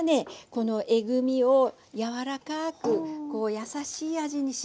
このえぐみを柔らかく優しい味に仕上げてくれる。